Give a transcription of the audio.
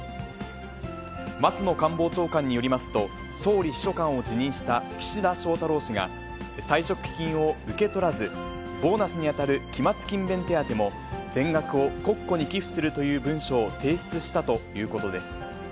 松野官房長官によりますと、総理秘書官を辞任した岸田翔太郎氏が、退職金を受け取らず、ボーナスに当たる期末勤勉手当も、全額を国庫に寄付するという文書を提出したということです。